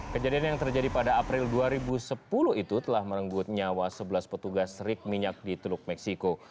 kejadian yang terjadi pada april dua ribu sepuluh itu telah merenggut nyawa sebelas petugas rik minyak di teluk meksiko